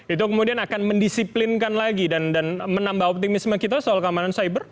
itu kemudian akan mendisiplinkan lagi dan menambah optimisme kita soal keamanan cyber